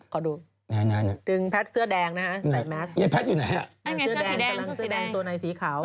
ขอดูหน่อยหน่อย